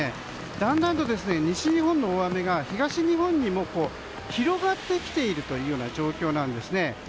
だんだんと西日本の大雨が東日本にも広がってきている状況なんですね。